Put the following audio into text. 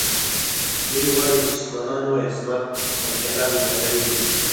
دوی غواړي د مسلمانانو عظمت او جلال ژوندی کړي.